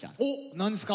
何ですか？